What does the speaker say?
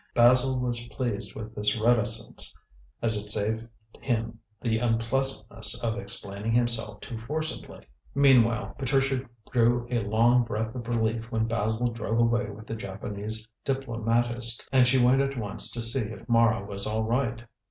Basil was pleased with this reticence, as it saved him the unpleasantness of explaining himself too forcibly. Meanwhile, Patricia drew a long breath of relief when Basil drove away with the Japanese diplomatist, and she went at once to see if Mara was all right.